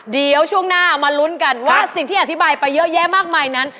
เดี๋ยวช่วงหน้ามาลุ้นกันว่าสิ่งที่อธิบายไปเยอะแยะมากมายนั้น